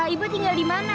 ibu tinggal di mana